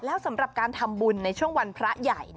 แล้วสำหรับการทำบุญในช่วงวันพระใหญ่